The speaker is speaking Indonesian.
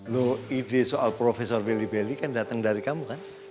loh ide soal profesor willy willy kan dateng dari kamu kan